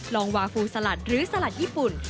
ลองวาฟูสลัดหรือสลัดญี่ปุ่น